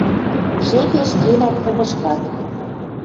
Жепеш кенӓ клубышкат.